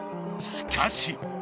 しかし。